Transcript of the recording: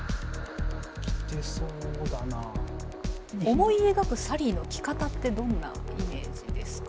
思い描くサリーの着方ってどんなイメージですか？